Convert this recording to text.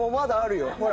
ほら。